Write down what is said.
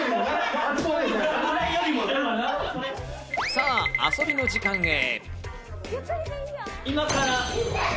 さぁ、遊びの時間へ。